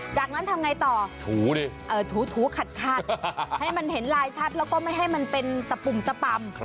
จากนั้นทำไงต่อถูขัดให้มันเห็นลายชัดแล้วก็ไม่ให้มันเป็นตะปุ่มตะป่ำ